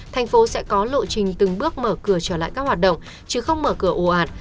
thành phố sẽ có lộ trình từng bước mở cửa trở lại các hoạt động chứ không mở cửa ồ ạt